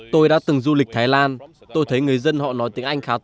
tôi đã từng du lịch thái lan tôi thấy người dân họ nói tiếng anh khá tốt